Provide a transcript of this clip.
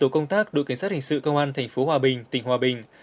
cảnh sát hình sự công an thành phố hòa bình tỉnh hòa bình